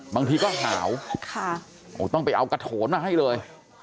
บางทีก็หาวต้องไปเอากระโถนมาให้เลย